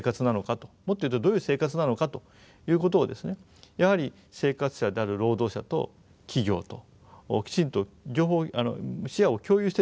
もっと言うとどういう生活なのかということをやはり生活者である労働者と企業ときちんと両方視野を共有してですね